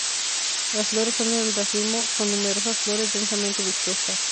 Las flores son en racimo con numerosas flores densamente dispuestas.